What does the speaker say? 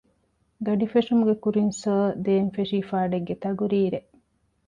ގަޑި ފެށުމުގެ ކުރިން ސާރ ދޭން ފެށީ ފާޑެއްގެ ތަޤުރީރެއް